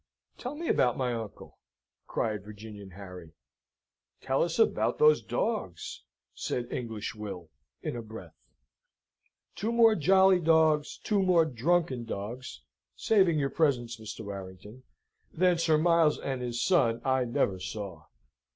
"Tell me about my uncle," cried Virginian Harry. "Tell us about those dogs!" said English Will, in a breath. "Two more jolly dogs, two more drunken dogs, saving your presence, Mr. Warrington, than Sir Miles and his son, I never saw.